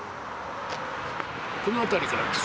この辺りからです。